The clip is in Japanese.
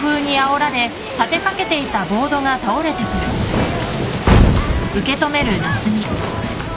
うわ！